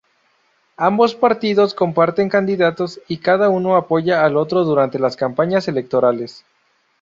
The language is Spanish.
Ambos partidos comparten candidatos y cada uno apoya al otro durante las campañas electorales.